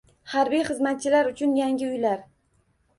Harbiy xizmatchilar uchun yangi uylar